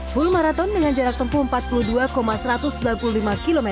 full maraton dengan jarak tempuh empat puluh dua satu ratus sembilan puluh lima km